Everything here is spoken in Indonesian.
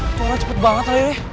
suara cepet banget